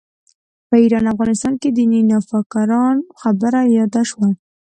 په ایران افغانستان کې دیني نوفکرانو خبره یاده شوه.